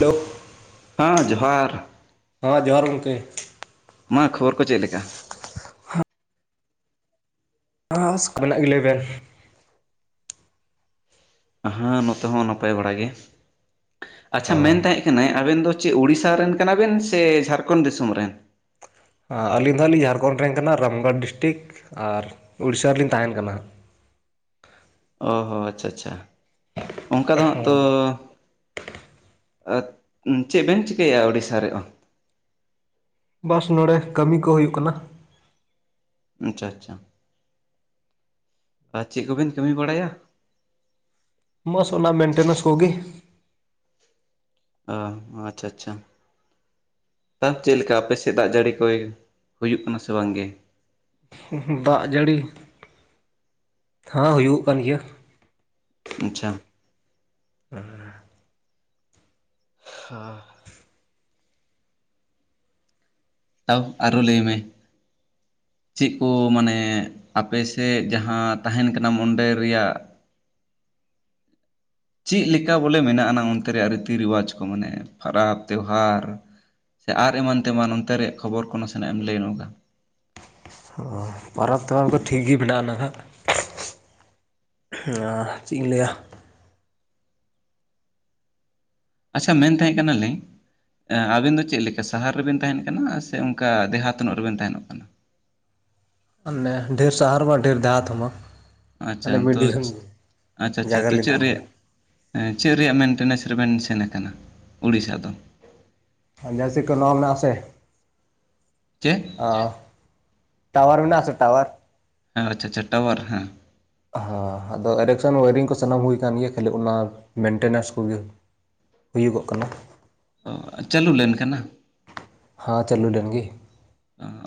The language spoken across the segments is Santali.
ᱫᱳᱠ [unintelligible] ᱦᱮᱸ ᱡᱚᱦᱟᱨ᱾ ᱦᱟᱸ ᱡᱚᱦᱟᱨ ᱜᱚᱝᱠᱮ᱾ ᱢᱟ ᱠᱷᱚᱵᱚᱨ ᱠᱚ ᱪᱮᱫ ᱞᱮᱠᱟ? [unintelligible] ᱦᱮᱸ ᱱᱚᱛᱮ ᱦᱚᱸ ᱱᱟᱯᱟᱭ ᱵᱟᱲᱟ ᱜᱮ, ᱟᱪᱪᱷᱟ ᱚ ᱢᱮᱱ ᱛᱟᱦᱮᱸᱫ ᱢᱟᱱᱮ ᱟᱵᱮᱱ ᱫᱚ ᱪᱮᱫ ᱩᱲᱤᱥᱟ ᱨᱮᱱ ᱠᱟᱱᱟᱵᱮᱱ ᱥᱮ ᱡᱷᱟᱲᱠᱷᱚᱸᱰ ᱫᱤᱥᱚᱢ ᱨᱮᱱ? ᱟᱹᱞᱤᱧ ᱫᱚ ᱦᱟᱜ ᱞᱤᱧ ᱡᱷᱟᱲᱠᱷᱚᱸᱰ ᱨᱮᱱ ᱠᱟᱱᱟ ᱨᱟᱢᱜᱚᱲ ᱰᱤᱥᱴᱤᱠ ᱟᱨ ᱩᱲᱤᱥᱥᱟ ᱨᱮᱞᱤᱧ ᱛᱟᱦᱮᱱ ᱠᱟᱱᱟ᱾ ᱚ ᱦᱚᱸ ᱟᱪᱪᱷᱟ ᱟᱪᱪᱷᱟ ᱚᱱᱠᱟ ᱫᱚ ᱦᱟᱸᱜ ᱛᱚ ᱟᱨ ᱪᱮᱫ ᱵᱮᱱ ᱪᱤᱠᱟᱹᱭᱟ ᱩᱲᱤᱥᱥᱟ ᱨᱮᱦᱚᱸ? ᱵᱟᱥ ᱱᱚᱲᱮ ᱠᱟᱹᱢᱤ ᱠᱚ ᱦᱩᱭᱩᱜ ᱠᱟᱱᱟ᱾ ᱟᱪ-ᱪᱷᱟ ᱟᱪ-ᱪᱷᱟ᱾ ᱟᱨ ᱪᱮᱫ ᱠᱚᱵᱮᱱ ᱠᱟᱹᱢᱤ ᱵᱟᱲᱟᱭᱟ? ᱢᱚᱥ ᱚᱱᱟ ᱢᱮᱱᱴᱮᱱᱥ ᱠᱚᱜᱤ᱾ ᱚ ᱟᱪᱪᱷᱟ ᱪᱷᱟ᱾ ᱟᱨ ᱪᱮᱫ ᱞᱮᱠᱟ ᱟᱯᱮ ᱥᱮᱫ ᱫᱟᱜ ᱡᱟᱹᱲᱤ ᱠᱚ ᱦᱩᱭᱩᱜ ᱠᱟᱱᱟ ᱥᱮ ᱵᱟᱝ ᱜᱮ? ᱫᱟᱜ ᱡᱟᱹᱲᱤ, ᱦᱚᱸ ᱦᱩᱭᱩᱜ ᱠᱟᱱ ᱜᱮᱭᱟ᱾ ᱟᱪᱷᱟ᱾ ᱦᱮᱸᱻ ᱦᱟᱻ ᱛᱟᱣ ᱟᱨᱚ ᱞᱟᱹᱭ ᱢᱮ᱾ ᱪᱮᱫ ᱠᱚ ᱢᱟᱱᱮ ᱟᱯᱮᱥᱮᱫ ᱡᱟᱦᱟᱸ ᱛᱟᱦᱮᱱ ᱠᱟᱱᱟᱢ ᱚᱸᱰᱮ ᱨᱮᱭᱟᱜ ᱪᱮᱫ ᱞᱮᱠᱟ ᱵᱚᱞᱮ ᱢᱮᱱᱟᱜ-ᱟᱱᱟ ᱚᱱᱛᱮ ᱨᱮᱭᱟᱜ ᱨᱤᱛᱤ ᱨᱮᱣᱟᱡᱽ ᱠᱚ ᱢᱟᱱᱮ ᱯᱟᱨᱟᱽ, ᱛᱣᱦᱟᱨ, ᱥᱮ ᱟᱨ ᱮᱢᱟᱱ ᱛᱮᱢᱟᱱ ᱚᱱᱛᱮ ᱨᱮᱭᱟᱜ ᱠᱷᱚᱵᱚᱨ ᱠᱚ ᱱᱟᱥᱮᱱᱟᱜ ᱮᱢ ᱞᱟᱹᱭ ᱱᱚᱜᱟ [unintelligible] ᱯᱚᱨᱚᱵᱽ ᱛᱮᱣᱟᱨ ᱠᱚ ᱴᱷᱤᱠ ᱜᱮ ᱢᱮᱱᱟᱜ-ᱟ ᱱᱟᱦᱟᱜ ᱟᱨ ᱪᱮᱫ ᱤᱧ ᱞᱟᱹᱭᱟ ᱟᱪᱪᱷᱟ ᱢᱮᱱ ᱛᱟᱦᱮᱸ ᱠᱟᱱᱟᱞᱤᱧ ᱟᱵᱮᱱ ᱫᱚ ᱪᱮᱫ ᱞᱮᱠᱟ ᱥᱟᱦᱟᱨ ᱨᱮᱵᱮᱱ ᱛᱟᱦᱮᱱ ᱠᱟᱱᱟ ᱥᱮ ᱚᱱᱠᱟ ᱫᱮᱦᱟ ᱛᱚᱱᱚᱜ ᱨᱮᱵᱮᱱ ᱛᱟᱦᱮᱱᱚᱜ ᱠᱟᱱᱟ? ᱚᱱᱮ ᱰᱷᱮᱨ ᱥᱟᱦᱟᱨ ᱵᱟ ᱰᱷᱮᱨ ᱫᱟᱦᱟᱛ ᱦᱚᱸ ᱵᱟ ᱟᱪᱼᱪᱷᱟ ᱛᱚ ᱟᱪᱼᱪᱷᱟ ᱟᱪᱼᱪᱷᱟ ᱡᱟᱭᱜᱟ ᱛᱚ ᱨᱮᱞᱤᱧ ᱪᱮᱫ ᱛᱟᱦᱮᱱ ᱨᱮᱭᱟᱜ? ᱠᱟᱱᱟ ᱪᱮᱫ ᱨᱮᱭᱟᱜ ᱢᱮᱱᱴᱮᱱᱮᱱᱮᱥ ᱨᱮᱵᱮᱱ ᱥᱮᱱ ᱠᱟᱱᱟ ᱩᱲᱤᱥᱥᱟ ᱫᱚ? ᱟ ᱡᱥᱮᱫ ᱠᱚ ᱱᱚᱣᱟ ᱢᱮᱱᱟᱜ ᱟᱥᱮ ᱪᱮᱫ? ᱚ ᱴᱟᱣᱭᱟᱨ ᱢᱮᱱᱟᱜ ᱟᱥᱮ ᱴᱟᱣᱭᱟᱨ ᱦᱮᱸ ᱟᱪᱪᱷᱟ ᱟᱪᱪᱷᱟ ᱴᱟᱣᱭᱟᱨ ᱦᱮᱸ ᱦᱮᱸ ᱟᱫᱚ ᱮᱨᱮᱠᱥᱚᱱ ᱳᱭᱟᱨᱤᱝ ᱠᱚ ᱥᱟᱱᱟᱢ ᱦᱩᱭ ᱟᱠᱟᱱ ᱜᱮᱭᱟ ᱠᱷᱟᱹᱞᱤ ᱚᱱᱟ ᱢᱮᱱᱴᱮᱱᱮᱥ ᱠᱚᱜᱮ ᱦᱩᱭᱩᱜᱚᱜ ᱠᱟᱱᱟ ᱚ ᱪᱟᱹᱞᱩ ᱞᱮᱱ ᱠᱟᱱᱟ ᱦᱟᱸ ᱪᱟᱞᱩ ᱞᱮᱱ ᱜᱮ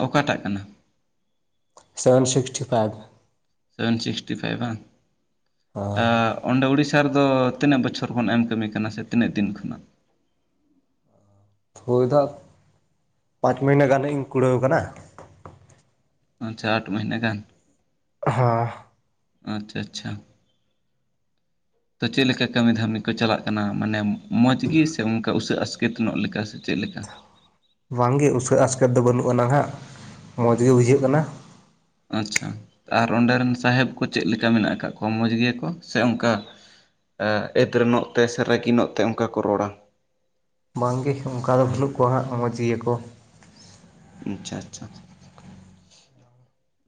ᱚ ᱚᱠᱟᱴᱟᱜ ᱠᱟᱱᱟ? Seven sixty five seven sixty five ᱵᱷᱟᱝ ᱟ ᱚᱸᱰᱮ ᱩᱲᱤᱥᱥᱟ ᱨᱮᱫᱚ ᱛᱤᱱᱟᱹᱜ ᱵᱚᱪᱷᱚᱨ ᱠᱷᱚᱱ ᱮᱢ ᱠᱟᱹᱢᱤ ᱠᱟᱱᱟ ᱥᱮ ᱛᱤᱱᱟᱹᱜ ᱫᱤᱱ ᱠᱷᱚᱱᱟᱜ? ᱦᱳᱭ ᱫᱟᱜ ᱯᱟᱸᱪ ᱢᱟᱹᱦᱟᱹᱱᱟᱹ ᱜᱟᱱ ᱤᱧ ᱠᱩᱲᱟᱹᱣ ᱟᱠᱟᱱᱟ ᱟᱪᱪᱷᱟ ᱟᱴ ᱢᱟᱹᱦᱱᱟᱹ ᱜᱟᱱ ᱦᱟᱸ ᱟᱪᱪᱷᱟ ᱟᱪᱪᱷᱟ ᱛᱚ ᱪᱮᱫ ᱞᱮᱠᱟ ᱠᱟᱹᱢᱤ ᱫᱷᱟᱹᱢᱤ ᱠᱚ ᱪᱟᱞᱟᱜ ᱠᱟᱱᱟ ᱢᱟᱱᱮ ᱢᱚᱡᱽ ᱜᱮ ᱥᱮ ᱚᱱᱠᱟ ᱩᱥᱟᱹᱜ ᱟᱥᱠᱮᱛ ᱧᱚᱜ ᱞᱮᱠᱟ? ᱪᱮᱫ ᱞᱮᱠᱟ? ᱵᱟᱝ ᱜᱮ ᱩᱥᱟ. ᱟᱥᱠᱮᱛ ᱫᱚ ᱵᱟᱹᱱᱩᱜᱼᱟ ᱱᱟᱦᱟᱸᱜ ᱢᱚᱸᱡᱽ ᱜᱮ ᱵᱩᱡᱷᱟᱹᱜ ᱠᱟᱱᱟ ᱟᱪᱪᱷᱟ ᱟᱨ ᱚᱸᱰᱮ ᱨᱮᱱ ᱥᱟᱦᱮᱵᱽ ᱠᱚ ᱪᱮᱫ ᱞᱮᱠᱟ ᱢᱮᱱᱟᱜ ᱠᱟᱫ ᱠᱚᱣᱟ ᱢᱚᱡᱽ ᱜᱮᱭᱟᱠᱚ ᱥᱮ ᱚᱱᱠᱟ ᱮ ᱮᱫᱽᱨᱮ ᱱᱚᱜ ᱛᱮ ᱥᱮ ᱨᱟᱹᱜᱤ ᱱᱚᱜ ᱛᱮ ᱚᱱᱠᱟ ᱠᱚ ᱨᱚᱲᱟ ᱵᱟᱝ ᱜᱮ ᱚᱱᱠᱟ ᱫᱚ ᱵᱟᱹᱱᱩᱜ ᱠᱚᱣᱟ ᱦᱟᱸᱜ ᱢᱚᱡᱽ ᱜᱮᱭᱟᱹᱠᱚ ᱟᱪᱪᱷᱟ ᱟᱪᱪᱷᱟ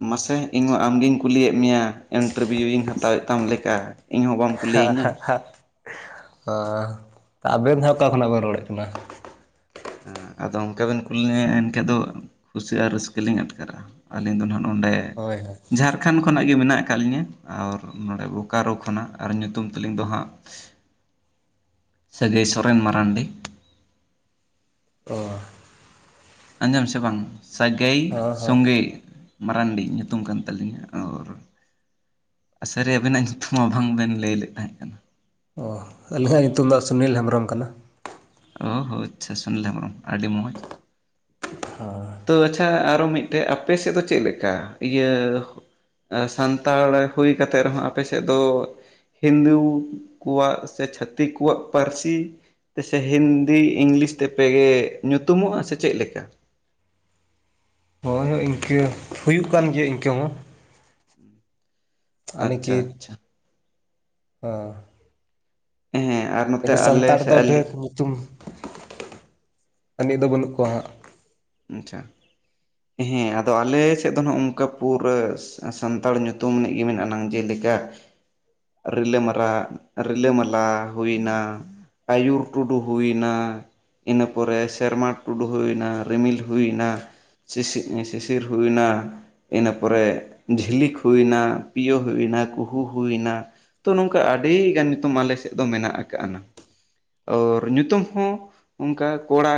ᱢᱟᱥᱮ ᱤᱧ ᱢᱟ ᱟᱢᱜᱤᱧ ᱠᱩᱞᱤᱭᱮᱫ ᱢᱮᱭᱟ ᱤᱱᱴᱟᱨᱵᱷᱤᱭᱩ ᱤᱧ ᱦᱟᱛᱟᱣᱮᱫ ᱛᱟᱢ ᱞᱮᱠᱟ ᱤᱧᱦᱚᱸ ᱵᱟᱢ ᱦᱟ ᱠᱩᱞᱤᱭᱤᱧᱟᱹ ᱦᱟ ᱦᱟ ᱚ ᱟᱵᱮᱱ ᱫᱚ ᱚᱠᱟ ᱠᱷᱚᱱᱟᱜ ᱵᱮᱱ ᱨᱚᱲᱮᱫ ᱠᱟᱱᱟ? ᱮ ᱟᱫᱚ ᱚᱱᱠᱟ ᱵᱮᱱ ᱠᱩᱞᱤᱧᱟᱹ ᱮᱱᱠᱷᱟᱡ ᱫᱚ ᱠᱩᱥᱤ ᱟᱨ ᱨᱟᱹᱥᱠᱟᱹ ᱞᱤᱧ ᱟᱴᱠᱟᱨᱟ ᱟᱹᱞᱤᱧ ᱫᱚ ᱱᱟᱜ ᱱᱚᱸᱰᱮ ᱦᱳᱭ ᱦᱳᱭ ᱡᱷᱟᱨ [unintelligible] ᱠᱷᱟᱱ ᱠᱷᱚᱱᱟᱜ ᱜᱮ ᱢᱮᱱᱟᱜ ᱟᱠᱟᱫ ᱞᱤᱧᱟᱹ ᱟᱨ ᱱᱚᱰᱮ ᱵᱳᱠᱟᱨᱳ ᱠᱷᱚᱱᱟᱜ ᱟᱨ ᱧᱩᱛᱩᱢ ᱛᱮᱞᱤᱧ ᱫᱚ ᱦᱟᱸᱜ ᱥᱟᱹᱜᱟᱹᱭ ᱥᱚᱨᱮᱱ ᱢᱟᱨᱟᱱᱰᱤ ᱚ ᱟᱸᱡᱚᱢ ᱥᱮ ᱵᱟᱝ ᱥᱟᱹᱜᱟᱹᱭ ᱦᱮᱸ ᱦᱮᱸ ᱥᱚᱸᱜᱮ ᱢᱟᱨᱟᱱᱰᱤ ᱧᱩᱛᱩᱢ ᱠᱟᱱ ᱛᱟᱹᱟᱞᱤᱧᱟ ᱚᱨ ᱟ ᱥᱟᱹᱨᱤ ᱟᱵᱮᱱᱟᱜ ᱧᱩᱛᱩᱢ ᱢᱟ ᱵᱟᱝᱵᱮᱱ ᱞᱟᱹᱭ ᱞᱮᱫ ᱛᱟᱦᱮᱸ ᱠᱟᱱᱟ ᱚ ᱟᱹᱞᱤᱧᱟᱜ ᱧᱩᱛᱩᱢ ᱫᱚ ᱥᱩᱱᱤᱞ ᱦᱮᱢᱵᱨᱚᱢ ᱠᱟᱱᱟ ᱚᱦᱚ ᱟᱪᱪᱷᱟ ᱥᱩᱱᱤᱞ ᱦᱮᱢᱵᱨᱚᱢ ᱟᱹᱰᱤ ᱢᱚᱡᱽ ᱦᱮᱸ ᱛᱚ ᱟᱪᱪᱷᱟ ᱟᱨᱚ ᱢᱤᱫᱴᱮᱡ ᱟᱯᱮ ᱥᱮᱫ ᱫᱚ ᱪᱮᱫ ᱞᱮᱠᱟ ᱤᱭᱟᱹ ᱥᱟᱱᱛᱟᱲ ᱦᱩᱭ ᱠᱟᱛᱮ ᱨᱮᱦᱚᱸ ᱟᱯᱮ ᱥᱮᱫ ᱫᱚ ᱾ ᱦᱤᱱᱫᱩ ᱠᱚᱣᱟᱜ ᱥᱮ ᱪᱷᱟᱹᱛᱤᱠ ᱠᱚᱣᱟᱜ ᱯᱟᱹᱨᱥᱤ ᱛᱮᱥᱮ ᱦᱤᱱᱫᱤ ᱤᱝᱞᱤᱥ ᱛᱮᱯᱮᱜᱮ ᱧᱩᱛᱩᱢᱚᱜᱼᱟ ᱥᱮ ᱪᱮᱫ ᱞᱮᱠᱟ? ᱦᱳᱭ ᱦᱳᱭ ᱤᱱᱠᱟᱹ ᱦᱩᱭᱩᱜ ᱠᱟᱱ ᱜᱮᱭᱟ ᱤᱱᱠᱟᱹ ᱦᱚᱸ ᱟᱪᱪᱷᱟ ᱟᱱᱤᱠᱤᱛ [unintelligible] ᱟᱪᱪᱷᱟ ᱮ ᱦᱮᱸ [unintelligible] [unintelligible] ᱟᱞᱮ ᱥᱟᱱᱛᱟᱲ ᱥᱮ ᱫᱚ ᱟᱞᱮ ᱰᱷᱮᱨ ᱧᱩᱛᱩᱢ ᱟᱹᱱᱤᱡ ᱫᱚ ᱵᱟᱹᱱᱩᱜ ᱠᱚᱣᱟ ᱦᱟᱸᱜ ᱟᱪᱪᱷᱟ ᱦᱮᱸ ᱟᱫᱚ ᱟᱞᱮ ᱥᱮᱫ ᱫᱚ ᱱᱚᱜ ᱚᱱᱠᱟ ᱯᱩᱨᱟᱹ ᱾ ᱥᱟᱱᱛᱟᱲ ᱧᱩᱛᱩᱢ ᱤᱱᱤᱡ ᱜᱮ ᱢᱮᱱᱟᱜ ᱟᱱᱟᱝ ᱡᱮᱞᱮᱠᱟ ᱾ ᱨᱤᱞᱟᱹ ᱢᱟᱨᱟ ᱨᱤᱞᱟᱹ ᱢᱟᱞᱟ ᱦᱩᱭᱱᱟ ᱾ ᱟ. ᱭᱩᱨ ᱴᱩᱰᱩ ᱦᱩᱭᱮᱱᱟ ᱤᱱᱟᱹ ᱯᱚᱨᱮ ᱥᱮᱨᱢᱟ ᱴᱩᱰᱩ ᱦᱩᱭᱮᱱᱟ ᱨᱤᱢᱤᱞ ᱦᱩᱭᱱᱟ ᱥᱤᱥᱤ ᱥᱤᱥᱤᱨ ᱦᱩᱭᱱᱟ ᱾ ᱤᱱᱟᱹ ᱯᱚᱨᱮ ᱡᱷᱤᱞᱤᱠ ᱦᱩᱭᱱᱟ ᱯᱤᱭᱳ ᱦᱩᱭᱱᱟ ᱠᱩᱦᱩ ᱦᱩᱭᱱᱟ ᱾ ᱛᱚ ᱱᱚᱝᱠᱟ ᱟᱹᱰᱤ ᱜᱟᱱ ᱧᱩᱛᱩᱢ ᱟᱞᱮ ᱥᱮᱫ ᱫᱚ ᱢᱮᱱᱟᱜ ᱟᱠᱟᱟᱱᱟ ᱾ ᱟᱨ ᱧᱩᱛᱩᱢ ᱦᱚᱸ ᱚᱱᱠᱟ ᱠᱚᱲᱟ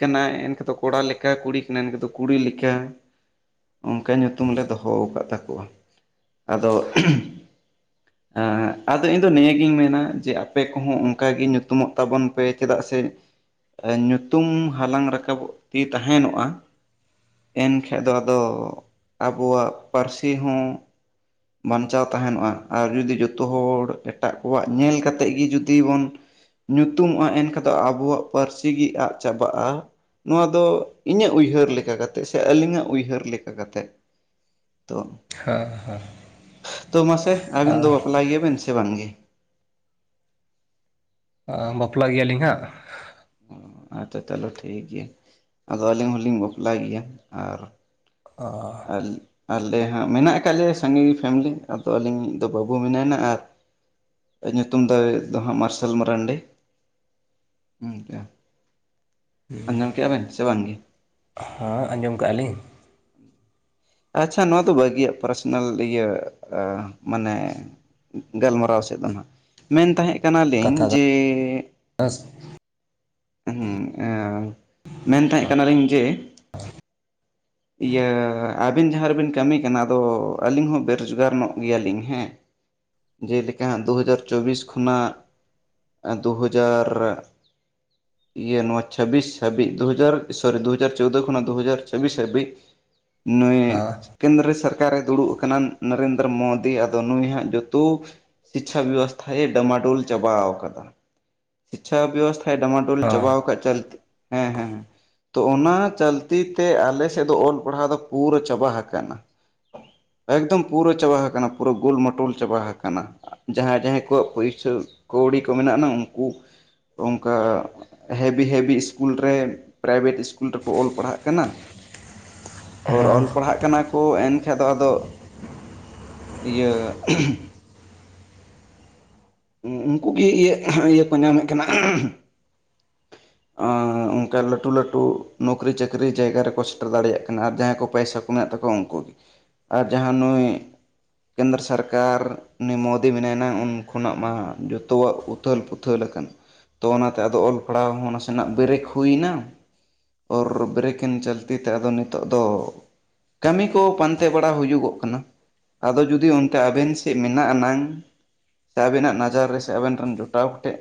ᱠᱟᱱᱟᱭ ᱮᱱᱠᱷᱟᱱ ᱫᱚ ᱾ ᱠᱚᱲᱟ ᱞᱮᱠᱟ ᱠᱩᱲᱤ ᱠᱟᱱᱟᱭ ᱫᱚ ᱠᱩᱲᱤ ᱞᱮᱠᱟ ᱾ ᱚᱱᱠᱟ ᱧᱩᱛᱩᱢ ᱞᱮ ᱫᱚᱦᱚ ᱟᱠᱟᱜ ᱛᱟᱠᱚᱣᱟ ᱟᱫᱚ ᱾ ᱟᱫᱚ ᱤᱧ ᱫᱚ ᱱᱤᱭᱟᱹᱜᱤᱧ ᱢᱮᱱᱟ ᱡᱮ ᱟᱯᱮ ᱠᱚᱦᱚᱸ ᱚᱱᱠᱟᱜᱮ ᱧᱩᱛᱩᱢᱚᱜ ᱛᱟᱵᱚᱱ ᱯᱮ ᱪᱮᱫᱟᱜ ᱥᱮ ᱾ ᱧᱩᱛᱩᱢ ᱦᱟᱞᱟᱝ ᱨᱟᱠᱟᱵᱚᱜ ᱛᱮ ᱛᱟᱦᱮᱱᱚᱜᱼᱟ ᱾ ᱮᱱᱠᱷᱟᱡ ᱫᱚ ᱟᱫᱚ ᱟᱵᱚᱣᱟᱜ ᱯᱟᱹᱨᱥᱤ ᱦᱚᱸ ᱾ ᱵᱟᱧᱪᱟᱣ ᱛᱟᱦᱮᱱᱚᱜᱼᱟ ᱟᱨ ᱡᱩᱫᱤ ᱡᱚᱛᱚ ᱦᱚᱲ ᱮᱴᱟᱜ ᱠᱚᱣᱟᱜ ᱧᱮᱞ ᱠᱟᱛᱮᱫ ᱜᱮ ᱡᱩᱫᱤ ᱵᱚᱱ ᱾ ᱧᱩᱛᱩᱢᱚᱜᱼᱟ ᱮᱱᱠᱷᱟ ᱫᱚ ᱟᱵᱚᱣᱟᱜ ᱯᱟᱹᱨᱥᱤ ᱜᱮ ᱟᱫ ᱪᱟᱵᱟᱜᱼᱟ᱾ ᱱᱚᱣᱟ ᱫᱚ ᱤᱧᱟᱹᱜ ᱩᱭᱦᱟᱹᱨ ᱞᱮᱠᱟ ᱠᱟᱛᱮᱜ ᱥᱮ ᱟᱹᱞᱤᱧᱟᱜ ᱩᱭᱦᱟᱹᱨ ᱞᱮᱠᱟ ᱠᱟᱛᱮᱜ। ᱛᱚ ᱦᱟ ᱦᱟ ᱛᱚ ᱢᱟᱥᱮ ᱟᱹᱵᱤᱱ ᱫᱚ ᱵᱟᱯᱞᱟ ᱜᱮᱭᱟᱵᱤᱱ ᱥᱮ ᱵᱟᱝᱜᱮ? ᱟᱻ ᱵᱟᱯᱞᱟ ᱜᱮᱭᱟᱞᱤᱧ ᱦᱟᱸᱜ। ᱚ ᱟᱪᱪᱷᱟ ᱪᱟ. ᱞᱚ ᱴᱷᱤᱠ ᱜᱮᱭᱟ ᱟᱫᱚ ᱟᱹᱞᱤᱧ ᱦᱚᱞᱤᱧ ᱵᱟᱯᱞ ᱜᱮᱭᱟ ᱟᱨ [unintelligible] ᱟᱞ ᱟᱞᱮ ᱦᱟᱸᱜ ᱢᱮᱱᱟᱜ ᱟᱠᱟᱜ ᱞᱮᱭᱟ ᱥᱟᱸᱜᱮ ᱯᱷᱮᱢᱞᱤ ᱟᱫᱚ ᱟᱹᱞᱤᱧᱤᱡ ᱫᱚ ᱵᱟᱹᱵᱩ ᱢᱮᱱᱟᱭᱱᱟ ᱟᱨ ᱟᱨ ᱧᱩᱛᱩᱢ ᱫᱚ ᱫᱚ ᱦᱟᱸᱜ ᱢᱟᱨᱥᱟᱞ ᱢᱟᱨᱟᱱᱰᱤ। [unintelligible] ᱟᱡᱟᱢ ᱠᱮᱜ-ᱟ ᱵᱮᱱ ᱥᱮ ᱵᱟᱝᱜ ᱜᱮ ᱾ ᱦᱚᱸ ᱟᱸᱡᱚᱢ ᱠᱟᱜᱼᱟ ᱞᱤᱧ ᱾ ᱟᱪᱪᱷᱟ ᱱᱚᱣᱟ ᱫᱚ ᱵᱷᱟᱹᱜᱤᱭᱟᱜ ᱯᱟᱨᱥᱚᱱᱟᱞ ᱤᱭᱟᱹ ᱢᱟᱱᱮ ᱾ ᱜᱟᱞᱢᱟᱨᱟᱣ ᱥᱮᱫ ᱫᱚ ᱦᱟᱸᱜ ᱢᱮᱱ ᱛᱟᱦᱮᱸᱜ ᱠᱟᱱᱟᱞᱤᱧ ᱠᱟᱛᱷᱟ ᱫᱚ ᱡᱮ ᱦᱮᱸ [unintelligible] ᱢᱮᱱ ᱛᱟᱦᱮᱸ ᱠᱟᱱᱟᱞᱤᱧ ᱡᱮ ᱾ ᱤᱭᱟᱹ ᱟᱹᱵᱤᱱ ᱡᱟᱦᱟᱸ ᱨᱮᱵᱮᱱ ᱠᱟᱹᱢᱤ ᱠᱟᱱᱟ ᱟᱫᱚ ᱟᱹᱞᱤᱧ ᱦᱚᱸ ᱵᱮᱨᱚᱡᱽᱜᱟᱨ ᱧᱚᱜ ᱜᱮᱭᱟᱞᱤᱧ ᱦᱮᱸ। ᱡᱮᱞᱮᱠᱟ ᱦᱟᱸᱜ ᱫᱩᱦᱟᱡᱟᱨ ᱪᱚᱵᱤᱥ ᱠᱷᱚᱱᱟᱜ ᱾ ᱫᱩᱦᱟᱡᱟᱨ ᱤᱭᱟ. ᱱᱚᱣᱟ ᱪᱷᱟᱵᱤᱥ ᱦᱟ. ᱵᱤᱜ ᱫᱩᱦᱟᱡᱟᱨ ᱥᱚᱨᱤ ᱫᱩᱦᱟᱡᱟᱨ ᱪᱳᱣᱫᱳ ᱠᱷᱚᱱᱟᱜ ᱫᱩᱦᱟᱡᱟᱨ ᱪᱷᱟᱵᱤᱥ ᱦᱟᱹᱵᱤᱡ ᱾ ᱱᱩᱭ ᱠᱮᱱᱫᱨᱚ ᱥᱟᱨᱠᱟᱨᱮ ᱫᱩᱲᱩᱵ ᱟᱠᱟᱱᱟ ᱱᱟᱨᱮᱱᱫᱨᱚ ᱢᱳᱫᱤ ᱟᱫᱚ ᱱᱩᱭ ᱦᱟᱸᱜ ᱡᱚᱛᱚ ᱥᱤᱪᱪᱷᱟ ᱵᱮᱵᱚᱥᱛᱷᱟᱭ ᱰᱟᱢᱟᱰᱩᱞ ᱪᱟᱵᱟᱣ ᱟᱠᱟᱫᱟ ᱥᱤᱪᱪᱷᱟ ᱵᱮᱵᱚᱥᱛᱷᱟᱭ ᱰᱟᱢᱟ ᱰᱩᱞ ᱪᱚᱵᱟᱣ ᱠᱚᱜ ᱪᱟᱹᱞ ᱦᱮᱸ ᱦᱮᱸ ᱦᱮᱸ ᱛᱚ ᱚᱱᱟ ᱪᱟᱞᱛᱤ ᱛᱮ ᱟᱞ ᱥᱮᱫ ᱫᱚ ᱚᱞ ᱯᱟᱲᱦᱟᱣ ᱫᱚ ᱯᱩᱨᱟᱹ ᱪᱵᱟ ᱦᱟᱠᱟᱱᱟ। ᱮᱠᱫᱚᱢ ᱯᱩᱨᱟᱹ ᱪᱟᱵᱟ ᱦᱟᱠᱟᱱᱟ ᱯᱩᱨᱟᱹ ᱜᱳᱞᱢᱚᱴᱚᱞ ᱪᱟᱵᱟ ᱦᱟᱠᱟᱱᱟ। ᱡᱟᱦᱟᱸᱭ ᱡᱟᱦᱟᱸᱭ ᱠᱚᱣᱟᱜ ᱯᱩᱭᱥᱟᱹ ᱠᱟᱹᱣᱰᱤ ᱠᱚ ᱢᱮᱱᱟᱜ ᱟᱱᱟ ᱩᱱᱠᱩ ᱾ ᱚᱱᱠᱟ ᱦᱮᱵᱤ ᱦᱮᱵᱤ ᱤᱥᱠᱩᱞ ᱨᱮ ᱯᱨᱟᱭᱵᱷᱮᱴ ᱤᱥᱠᱩᱞ ᱨᱮᱠᱚ ᱚᱞ ᱯᱟᱲᱦᱟᱜ ᱠᱟᱱᱟ। ᱚᱨ ᱦᱮᱸ ᱚᱞ ᱯᱟᱲᱦᱟᱜ ᱠᱟᱱᱟ ᱠᱚ ᱮᱱᱠᱷᱟ ᱫᱚ ᱟᱫᱚ ᱤᱭᱟᱹ [unintelligible] ᱩᱱᱠᱩ ᱜᱮ ᱤᱭᱟᱹ ᱤᱭᱟᱹ ᱠᱚ ᱧᱟᱢᱮᱜ ᱠᱟᱱᱟ। [unintelligible] ᱚᱝᱠᱟ ᱞᱟᱹᱴᱩ ᱞᱟᱹᱴᱩ ᱱᱚᱠᱨᱤ ᱪᱟᱹᱠᱨᱤ ᱡᱟᱭᱜᱟ ᱨᱮᱠᱚ ᱥᱮᱴᱮᱨ ᱫᱟᱲᱮᱭᱟᱜ ᱠᱟᱱᱟ ᱟᱨ ᱡᱟᱦᱟᱸᱭ ᱠᱚ ᱯᱚᱭᱥᱟ ᱠᱚ ᱢᱮᱱᱟᱜ ᱛᱟᱠᱚᱣᱟ ᱩᱱᱠᱩ ᱜᱮ। ᱟᱨ ᱡᱟᱦᱟᱸ ᱱᱩᱭ ᱠᱮᱱᱫᱨᱚ ᱥᱚᱨᱠᱟᱨ ᱩᱱᱤ ᱢᱳᱫᱤ ᱢᱮᱱᱟᱭᱟᱱᱟᱝ ᱩᱱ ᱠᱷᱚᱱᱟᱜ ᱢᱟ ᱡᱚᱛᱚᱣᱟᱜ ᱼᱼ ᱩᱛᱷᱟᱹᱞ ᱯᱩᱛᱷᱟᱹᱞ ᱟᱠᱟᱱᱟ ᱛᱚ ᱚᱱᱟᱛᱮ ᱟᱫᱚ ᱚᱞ ᱯᱟᱲᱦᱟᱣ ᱦᱚᱸ ᱱᱟᱥᱮᱱᱟᱜ ᱵᱮᱨᱮᱠ ᱦᱩᱭᱱᱟ᱾ ᱚᱨᱻ ᱵᱨᱮᱠᱤᱱ ᱪᱟᱞᱛᱤᱛᱮ ᱟᱫᱚ ᱱᱤᱛᱚᱜ ᱫᱚ ᱼᱼ ᱠᱟᱹᱢᱤ ᱠᱚ ᱯᱟᱱᱛᱮ ᱵᱟᱲᱟ ᱦᱩᱭᱩᱜᱚᱜ ᱠᱟᱱᱟ। ᱟᱫᱚ ᱡᱩᱫᱤ ᱚᱱᱛᱮ ᱟᱵᱮᱱ ᱥᱮᱫ ᱢᱮᱱᱟᱜ ᱟᱱᱟᱝ ᱼᱼ ᱥᱮ ᱟᱵᱤᱱᱟᱜ ᱱᱟᱡᱟᱨ ᱨᱮ ᱥᱮ ᱟᱵᱮᱱ ᱨᱮᱱ ᱡᱚᱴᱟᱣ ᱠᱚ ᱴᱷᱮᱡ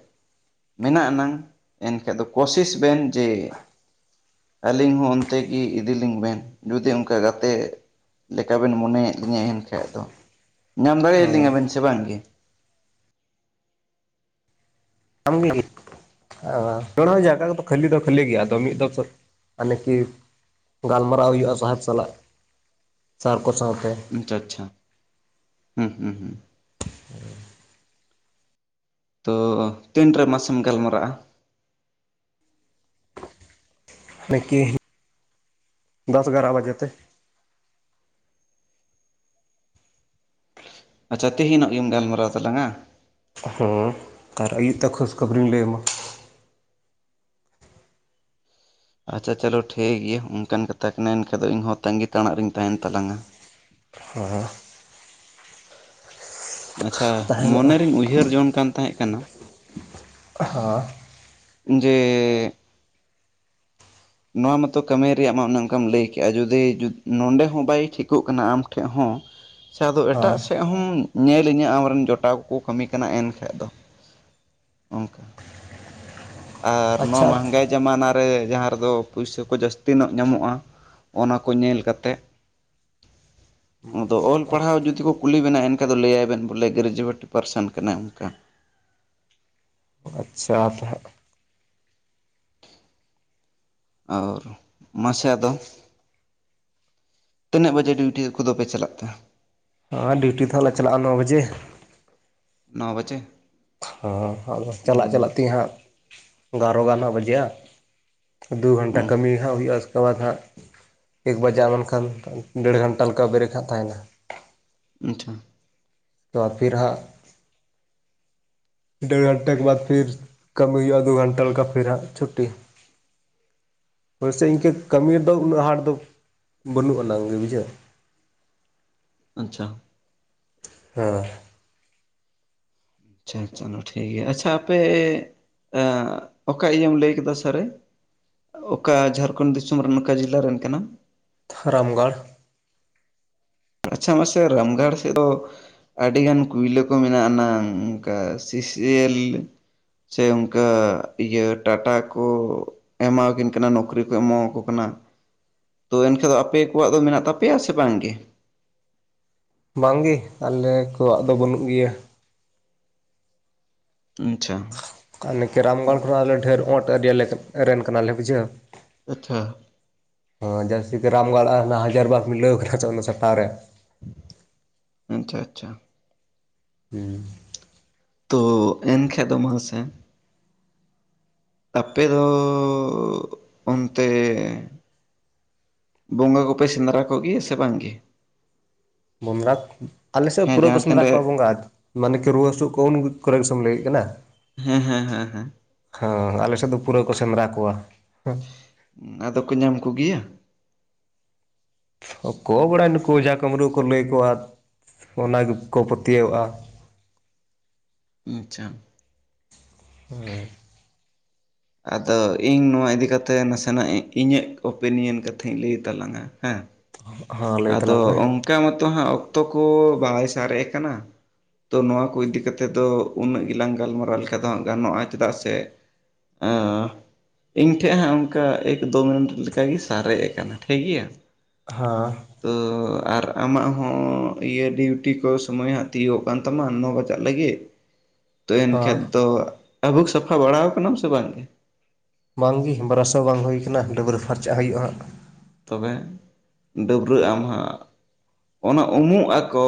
ᱢᱮᱱᱟᱜ ᱟᱱᱟᱝ ᱮᱱᱠᱷᱟᱡ ᱫᱚ ᱼᱼ ᱠᱳᱥᱤᱥ ᱵᱮᱱ ᱡᱮ ᱼᱼ ᱟᱹᱞᱤᱧ ᱦᱚᱸ ᱚᱱᱛᱮ ᱜᱮ ᱤᱫᱤᱞᱤᱧ ᱵᱮᱱ, ᱡᱩᱫᱤ ᱚᱱᱠᱟ ᱜᱟᱛᱮ ᱼᱼ ᱞᱮᱠᱟ ᱵᱮᱱ ᱢᱚᱱᱮᱭᱮᱫ ᱞᱤᱧᱟᱹ ᱮᱱᱠᱟᱡ ᱫᱚ ᱾ ᱧᱟᱢ ᱦᱮᱸ ᱫᱟᱲᱮᱭᱟᱞᱤᱧᱟᱵᱮᱱ ᱥᱮ ᱵᱟᱝ ᱜᱮ? [unintelligible] ᱮᱱᱨᱮᱦᱚᱸ ᱡᱟᱭᱜᱟ ᱠᱚᱫᱚ ᱠᱷᱟᱹᱞᱤ ᱫᱚ ᱠᱷᱟᱹᱞᱤ ᱜᱮᱭᱟ, ᱟᱫᱚ ᱢᱤᱫ ᱫᱚ ᱢᱟᱱᱮ ᱠᱤ ᱼᱼ ᱜᱟᱞᱢᱟᱨᱟᱣ ᱦᱩᱭᱩᱜᱼᱟ ᱥᱟᱦᱮᱵ ᱥᱟᱞᱟᱜ ᱥᱟᱨ ᱠᱚ ᱥᱟᱶᱛᱮ ᱾ ᱟᱪᱪᱷᱟ ᱟᱪᱪᱷᱟ ᱦᱩᱸ ᱦᱩᱸ ᱦᱩᱸ ᱾ ᱛᱚ ᱛᱤᱱᱨᱮ ᱢᱟᱥᱮᱢ ᱜᱟᱞᱢᱟᱨᱟᱜᱼᱟ? ᱱᱮ [unintelligible] ᱠᱤ ᱫᱚᱥ ᱜᱟᱨᱟ ᱵᱟᱡᱮ ᱛᱮ। ᱟᱪᱪᱷᱟ ᱛᱮᱦᱮᱧᱚᱜ ᱜᱮᱢ ᱜᱟᱞᱢᱟᱨᱟᱣ ᱛᱟᱞᱟᱝᱼᱟ? ᱦᱩᱸ ᱟᱨ ᱟ. ᱭᱩᱵ ᱛᱮ ᱠᱷᱳᱡ ᱠᱷᱚᱵᱚᱨᱤᱧ ᱞᱟᱹᱭ ᱟᱢᱟ ᱾ ᱟᱪᱪᱷᱟ ᱟᱪᱪᱷᱟ ᱪᱟᱞᱳ ᱴᱷᱤᱠ ᱜᱮᱭᱟ ᱚᱱᱠᱟᱱ ᱠᱟᱛᱷᱟ ᱠᱟᱱᱟ, ᱮᱱᱠᱷᱟᱡ ᱫᱚ ᱤᱧᱦᱚᱸ ᱛᱟᱺᱜᱤ ᱛᱟᱲᱟᱜ ᱨᱤᱧ ᱛᱟᱦᱮᱱ ᱛᱟᱞᱟᱝᱟ ᱾ [unintelligible] ᱟᱪᱪᱷᱟ ᱢᱚᱱᱮ ᱛᱟᱦᱮᱱᱚᱜᱼᱟ ᱨᱤᱧ ᱩᱭᱦᱟᱹᱨ ᱡᱚᱝ ᱠᱟᱱ ᱛᱟᱦᱮᱸ ᱠᱟᱱᱟᱼᱼ ᱦᱚ [unintelligible] ᱡᱮᱻ ᱱᱚᱣᱟ ᱢᱟᱛᱚ ᱠᱟᱹᱢᱤ ᱨᱮᱭᱟᱜ ᱢᱟ ᱚᱱᱮ ᱚᱱᱠᱟᱢ ᱞᱟᱹᱭ ᱠᱮᱜᱼᱟ, ᱡᱩᱫᱤ ᱱᱚᱰᱮ ᱦᱚᱸ ᱵᱟᱭ ᱴᱷᱤᱠᱚᱜ ᱠᱟᱱᱟ ᱟᱢ ᱴᱷᱮᱡ ᱦᱚᱸᱼᱼ ᱥᱮ ᱟᱫᱚ ᱮᱴᱟᱜ ᱦᱮᱸ ᱥᱮᱫᱼᱼ ᱦᱚᱸ ᱧᱮᱞᱟᱹᱧ ᱦᱟᱸᱜ ᱟᱢᱨᱮᱱ ᱡᱚᱴᱟᱣ ᱠᱚᱠᱚ ᱠᱟᱹᱢᱤ ᱠᱟᱱᱟ ᱮᱱᱠᱷᱟᱡ ᱫᱚ ᱚᱱᱠᱟᱼᱼ ᱟᱨ ᱱᱚᱣᱟ ᱟᱪᱪᱷᱟ ᱢᱟᱸᱦᱜᱟᱭ ᱡᱟᱢᱟᱱᱟ ᱨᱮ ᱡᱟᱦᱟᱸ ᱨᱮᱫᱚ ᱯᱩᱭᱥᱟᱹ ᱠᱚ ᱡᱟᱹᱥᱛᱤ ᱱᱚᱜ ᱧᱟᱢᱚᱜᱼᱟ ᱼᱼ ᱚᱱᱟ ᱠᱚ ᱧᱮᱞ ᱠᱟᱛᱮᱜ ᱾ ᱟᱫᱚ ᱚᱞ ᱯᱟᱲᱦᱟᱣ ᱡᱩᱫᱤ ᱠᱚ ᱠᱩᱞᱤ ᱵᱮᱱᱟ ᱮᱱᱠᱷᱟᱡ ᱫᱚ ᱞᱟᱹᱭᱟᱭ ᱵᱮᱱ ᱵᱚᱞᱮ ᱜᱨᱮᱡᱩᱭᱮᱴ ᱯᱟᱨᱥᱮᱱ ᱠᱟᱱᱟᱭ ᱚᱱᱠᱟ ᱾ ᱟᱪᱪᱷᱟ ᱼᱼ ᱟᱨ ᱢᱟᱥᱮ ᱟᱫᱚᱼᱼ ᱛᱤᱱᱟᱹᱜ ᱵᱟᱡᱮ ᱰᱤᱭᱩᱴᱤ ᱠᱚᱫᱚ ᱯᱮ ᱪᱟᱞᱟᱜ ᱛᱮ? ᱦᱚᱸ ᱰᱤᱭᱩᱴᱤ ᱛᱚᱞᱮ ᱪᱟᱞᱟᱜᱼᱟ ᱱᱚ ᱵᱟᱡᱮ ᱾ ᱱᱚ ᱵᱟᱡᱮ ᱾ ᱦᱚᱸ ᱟᱫᱚ ᱪᱟᱞᱟᱜ ᱪᱟᱞᱟᱜ ᱛᱮ ᱦᱟᱸᱜ ᱜᱟᱨᱚ ᱜᱟᱱ ᱦᱟᱸᱜ ᱵᱟᱡᱮᱜᱼᱟ ᱾ ᱫᱩ ᱜᱷᱚᱱᱴᱟ ᱦᱩᱸ ᱠᱟᱹᱢᱤ ᱦᱟᱸᱜ ᱦᱩᱭᱩᱜᱼᱟ, ᱩᱥᱠᱮ ᱵᱟᱫ ᱦᱟᱸᱜᱼᱼ ᱮᱠ ᱵᱟᱡᱟᱣ ᱞᱮᱱᱠᱷᱟᱱ ᱰᱮᱹᱲ ᱜᱷᱚᱱᱴᱟ ᱞᱮᱠᱟ ᱵᱮᱨᱮᱠ ᱦᱟᱸᱜ ᱛᱟᱦᱮᱱᱟ ᱾ ᱟᱪᱷᱟ ᱾ ᱛᱚ ᱯᱷᱤᱨ ᱦᱟᱸᱜᱼᱼ ᱰᱮᱹᱲ ᱜᱚᱱᱴᱟ ᱵᱟᱫ ᱯᱷᱤᱨ ᱠᱟᱹᱢᱤ ᱦᱩᱭᱩᱜᱼᱟ ᱫᱩ ᱜᱚᱱᱴᱟ ᱞᱮᱠᱟ, ᱯᱷᱤᱨ ᱦᱟᱸᱜ ᱪᱷᱩᱴᱤ ᱾ [unintelligible] ᱤᱱᱠᱟᱹ ᱠᱟᱹᱢᱤ ᱨᱮᱫᱚ ᱩᱱᱟᱹᱜ ᱦᱟᱰ ᱫᱚ ᱵᱟᱹᱱᱩᱜ ᱟᱱᱟᱝ ᱜᱮ ᱵᱩᱡᱷᱟᱹᱣ ᱾ ᱟᱪᱪᱷᱟ ᱾ ᱦᱮᱸ ᱾ ᱟᱪᱪᱷᱟ ᱟᱪᱪᱷᱟ ᱚᱱᱟ ᱴᱷᱤᱠ ᱜᱮᱭᱟ, ᱟᱪᱪᱷᱟ ᱟᱯᱮᱻ ᱚᱠᱟ ᱤᱭᱟᱹᱢ ᱞᱟᱹᱭ ᱠᱮᱫᱟ ᱥᱟᱨᱮ? ᱚᱠᱟ ᱡᱷᱟᱲᱠᱷᱚᱸᱰ ᱫᱤᱥᱚᱢ ᱨᱮᱱ ᱚᱠᱟ ᱡᱮᱞᱟ ᱨᱮᱱ ᱠᱟᱱᱟᱢ? ᱨᱟᱢᱜᱚᱲ ᱾ ᱟᱪᱪᱷᱟ ᱢᱟᱥᱮ ᱨᱟᱢᱜᱚᱲ ᱥᱮᱫ ᱫᱚᱼᱼ ᱟᱹᱰᱤ ᱜᱟᱱ ᱠᱩᱭᱞᱟᱹ ᱠᱚ ᱢᱮᱱᱟᱜ ᱟᱱᱟᱝ ᱚᱱᱠᱟ ᱥᱤᱥᱤᱮᱞᱻ ᱥᱮ ᱚᱱᱠᱟ ᱤᱭᱟᱹ ᱴᱟᱴᱟ ᱠᱚ ᱮᱢᱟᱣᱟᱠᱤᱱ ᱠᱟᱱᱟ ᱱᱚᱠᱨᱤ ᱠᱚ ᱮᱢᱟᱣᱟᱠᱚ ᱠᱟᱱᱟ ᱾ ᱛᱚ ᱮᱱᱠᱷᱟᱱ ᱫᱚ ᱟᱯᱮ ᱠᱚᱣᱟᱜ ᱫᱚ ᱢᱮᱱᱟᱜ ᱛᱟᱯᱮᱭᱟ ᱥᱮ ᱵᱟᱝ ᱜᱮ ᱵᱟᱝ ᱜᱮ ᱟᱞᱮ ᱠᱚᱣᱟᱜ ᱫᱚ ᱵᱟᱹᱱᱩᱜ ᱜᱮᱭᱟ᱾ ᱟᱪᱪᱷᱟ [unintelligible] ᱨᱟᱢᱜᱚᱲ ᱠᱷᱚᱱᱟᱜ ᱟᱞᱮ ᱰᱷᱮᱨ ᱚᱸᱴ ᱨᱮᱱ ᱠᱟᱱᱟᱞᱮ ᱵᱩᱡᱷᱟᱹᱣ᱾ ᱟᱪᱪᱷᱟ [inaudible] ᱡᱟᱹᱨᱥᱤ ᱛᱮ ᱨᱟᱢᱜᱚᱲ ᱟᱨ‌ ᱚᱱᱟ ᱦᱟᱡᱟᱨᱵᱟᱜ ᱢᱤᱞᱟᱹᱣ ᱠᱟᱱᱟ ᱛᱚ ᱚᱱᱟ ᱥᱴᱟᱣ ᱨᱮ ᱟᱪᱪᱷᱟ ᱟᱪᱪᱷᱟ ᱦᱩᱸ ᱛᱚ ᱮᱱᱠᱷᱟᱡ ᱫᱚ ᱢᱟᱥᱮ ᱟᱯᱮ ᱫᱚ ᱚᱱᱛᱮ ᱵᱚᱸᱜᱟ ᱠᱚᱯᱮ ᱥᱮᱸᱫᱽᱨᱟ ᱠᱚᱜᱮᱭᱟ ᱥᱮ ᱵᱟᱝ ᱜᱮ? ᱵᱚᱸᱜᱟᱛ ᱟᱞᱮᱥᱮᱫ ᱦᱮᱸ ᱯᱩᱨᱟᱹ ᱠᱚ ᱡᱟᱦᱟᱸ ᱥᱮᱸᱫᱽᱨᱟ ᱛᱤᱱᱨᱮ ᱠᱚᱣᱟ ᱵᱚᱸᱜᱟᱛ ᱢᱟᱱᱮ ᱠᱤ ᱨᱩᱣᱟᱹ ᱦᱟᱹᱥᱩ ᱠᱚ ᱩᱱ ᱠᱚᱨᱮ ᱜᱮ ᱥᱮᱢ ᱞᱟᱹᱭᱮᱜ ᱠᱟᱱᱟ᱾ ᱦᱮᱸ ᱦᱮᱸ ᱦᱮᱸ ᱦᱮᱸ ᱦᱮᱸ ᱟᱞᱮ ᱥᱮᱫ ᱫᱚ ᱯᱩᱨᱟᱹ ᱠᱚ ᱥᱮᱸᱫᱽᱨᱟ ᱠᱚᱣᱟ ᱦᱮ ᱟᱫᱚ ᱠᱚ ᱧᱟᱢ ᱠᱚᱜᱮᱭᱟ ᱚᱠᱚ ᱵᱟᱲᱟᱭ ᱱᱩᱠᱩ ᱡᱟ ᱠᱟᱢᱨᱩ ᱠᱚ ᱞᱟᱹᱭ ᱠᱚᱣᱟᱫ ᱚᱱᱟ ᱜᱮᱠᱚ ᱯᱟᱹᱛᱭᱟᱹᱣᱟᱜᱼᱟ᱾ ᱟᱪᱪᱷᱟ ᱦᱮᱸ ᱟᱫᱚ ᱤᱧ ᱱᱚᱣᱟ ᱤᱫᱤ ᱠᱟᱛᱮᱜ ᱱᱟᱥᱮᱱᱟᱜ ᱤᱧᱟᱹᱜ ᱚᱯᱤᱱᱤᱭᱚᱱ ᱠᱟᱛᱷᱟᱧ ᱞᱟᱹᱭ ᱛᱟᱞᱟᱝᱟ ᱦᱟᱜ [unintelligible] ᱟᱫᱚ ᱢᱮ ᱚᱱᱠᱟ ᱢᱚᱛᱚ ᱦᱟᱸᱜ ᱚᱠᱛᱚ ᱠᱚ ᱵᱟᱭ ᱥᱟᱨᱮᱜ ᱠᱟᱱᱟ᱾ ᱛᱚ ᱱᱚᱣᱟ ᱠᱚ ᱤᱫᱤ ᱠᱟᱛᱮᱫ ᱫᱚ ᱩᱱᱟᱹᱜ ᱜᱮᱞᱟᱝ ᱜᱟᱞᱢᱟᱨᱟᱣ ᱞᱮᱠᱟ ᱫᱚ ᱦᱟᱸᱜ ᱜᱟᱱᱚᱜᱼᱟ ᱪᱮᱫᱟᱜ ᱥᱮ ᱚ ᱤᱧ ᱴᱷᱮᱡ ᱦᱟᱸᱜ ᱚᱱᱠᱟ ᱮᱠ ᱫᱩ ᱢᱤᱱᱤᱴ ᱞᱮᱠᱟᱜᱮ ᱥᱟᱨᱮᱡ ᱟᱠᱟᱱᱟ ᱴᱷᱤᱠ ᱜᱮᱭᱟ᱾ ᱦᱟᱸ ᱛᱚ ᱟᱨ ᱟᱢᱟᱜ ᱦᱚᱸ ᱤᱭᱟᱹ ᱴᱤᱣᱴᱤ ᱠᱚ ᱥᱚᱢᱚᱭ ᱦᱟᱸᱜ ᱛᱤᱭᱳᱜᱚᱜ ᱠᱟᱱ ᱛᱟᱢᱟ ᱱᱚ ᱵᱟᱡᱟᱜ ᱞᱟᱹᱜᱤᱫ᱾ ᱛᱚ ᱦᱮᱸ ᱮᱱᱠᱷᱟᱡ ᱫᱚ ᱟᱹᱵᱩᱠ ᱥᱟᱯᱷᱟ ᱵᱟᱲᱟᱣ ᱠᱟᱱᱟᱢ ᱥᱮ ᱵᱟᱝ ᱜᱮ? ᱵᱟᱝᱜᱮ ᱵᱟᱨᱟᱥ ᱦᱚ ᱵᱟᱝ ᱦᱩᱭ ᱠᱟᱱᱟ ᱰᱟᱹᱵᱨᱟᱹ ᱯᱷᱟᱨᱪᱟᱜ ᱦᱩᱭᱩᱜᱼᱟ ᱦᱟᱸᱜ ᱛᱚᱵᱮ ᱰᱟᱹᱵᱽᱨᱟᱹᱜ ᱟᱢ ᱦᱟᱸᱜ ᱚᱱᱟ ᱩᱢᱩᱜ ᱟᱠᱚ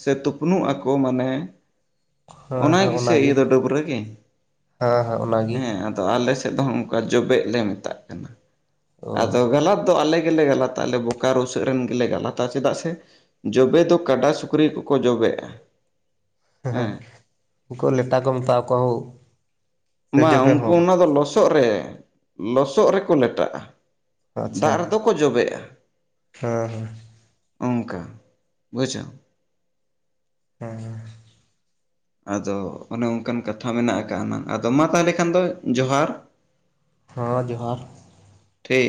ᱥᱮ ᱛᱩᱯᱱᱩᱜ ᱟᱠᱚ ᱢᱟᱱᱮ ᱦᱮᱸ ᱚᱱᱟ ᱦᱮᱸ ᱜᱮᱥᱮ ᱚᱱᱟᱜᱮ ᱤᱭᱟᱹ ᱫᱚ ᱰᱟᱹᱵᱽᱨᱟᱹ ᱜᱮ ᱦᱮᱸ ᱦᱮᱸ ᱚᱱᱟᱜᱮ ᱦᱮᱸ ᱟᱞᱮ ᱥᱮᱫ ᱫᱚ ᱚᱝᱠᱟ ᱡᱚᱵᱮᱜ ᱞᱮ ᱢᱮᱛᱟᱜ ᱠᱟᱱᱟ ᱚ ᱟᱫᱚ ᱜᱟᱞᱟᱛ ᱫᱚ ᱟᱞᱮ ᱜᱮᱞᱮ ᱜᱟᱞᱟᱛᱼᱟ ᱟᱞᱮ ᱵᱳᱠᱟᱨᱳ ᱥᱮᱫ ᱨᱮᱱ ᱜᱮᱞᱮ ᱜᱟᱞᱟᱛ-ᱟ ᱪᱮᱫᱟᱜ ᱥᱮ ᱡᱚᱵᱮ ᱫᱚ ᱠᱟᱰᱟ ᱥᱩᱠᱨᱤ ᱠᱚᱠᱚ ᱡᱚᱵᱮᱜᱼᱟ᱾ ᱦᱮᱸ ᱩᱱᱠᱩ ᱞᱮᱴᱟ ᱠᱚ ᱢᱮᱛᱟᱣ ᱠᱚᱣᱟ ᱦᱳ ᱢᱟ ᱩᱱᱠᱩ ᱚᱱᱟ ᱫᱚ ᱞᱚᱥᱚᱫ ᱨᱮ ᱞᱚᱥᱚᱫ ᱨᱮᱠᱚ ᱞᱮᱴᱟᱜᱼᱟ᱾ ᱟᱪᱪᱷᱟ ᱫᱟᱜ ᱨᱮᱫᱚ ᱠᱚ ᱡᱚᱵᱮᱜᱼᱟ᱾ ᱦᱮᱸ ᱦᱮᱸ ᱚᱱᱠᱟ ᱵᱩᱡᱷᱟᱣ ᱦᱮᱸ ᱟᱫᱚ ᱚᱱᱮ ᱚᱱᱠᱟᱱ ᱠᱟᱛᱷᱟ ᱢᱮᱱᱟᱜ ᱟᱠᱟ ᱟᱱᱟ ᱟᱫᱚ ᱢᱟ ᱛᱟᱦᱚᱞᱮ ᱠᱷᱟᱱ ᱫᱚ ᱡᱚᱦᱟᱨ ᱦᱮᱸ ᱡᱚᱦᱟᱨ ᱴᱷᱤ